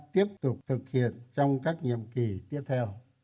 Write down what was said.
tiếp tục thực hiện trong các nhiệm kỳ tiếp theo